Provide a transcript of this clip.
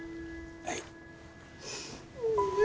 はい。